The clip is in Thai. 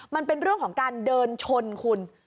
มันเป็นเรื่องของการเดินชนคุณ